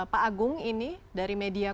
pak agung ini dari media